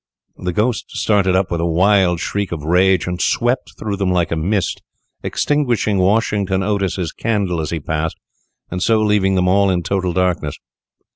The ghost started up with a wild shriek of rage, and swept through them like a mist, extinguishing Washington Otis's candle as he passed, and so leaving them all in total darkness.